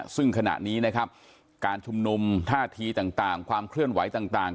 ซึ่งขณะนี้นะครับการชุมนุมท่าทีต่างความเคลื่อนไหวต่าง